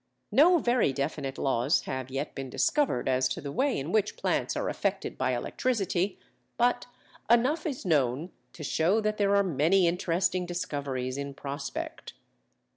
No very definite laws have yet been discovered as to the way in which plants are affected by electricity, but enough is known to show that there are many interesting discoveries in prospect.